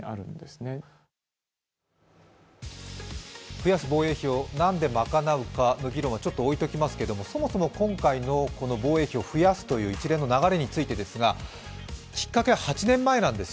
増やす防衛費を何で賄うかという議論は置いておきますけどそもそも今回の防衛費を増やすという一連の流れについてですが、きっかけは８年前なんです。